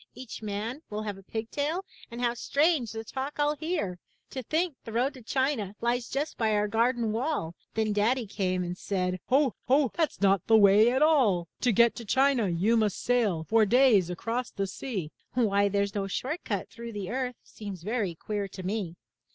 Each man will have a pig tail, and How strange the talk FU hear! To think the road to China lies Just by our garden wall! Then Daddy came and said, '*Ho! Ho! That's not the way at all! 'To get to China, you must sail For days across the sea!'' — Why there's no short cut through the earth Seems very queer to me!